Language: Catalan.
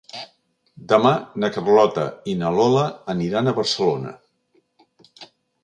Demà na Carlota i na Lola aniran a Barcelona.